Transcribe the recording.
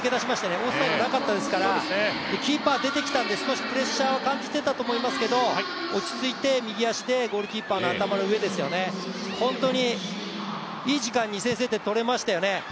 オフサイドなかったですからキーパー出てきたんで、少しプレッシャーを感じていたと思いますけど、落ち着いて右足でゴールキーパーの頭の上ですよね、本当にいい時間に先制点取れましたよね。